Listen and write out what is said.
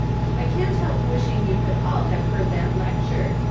I can't help wishing you could all have heard that lecture.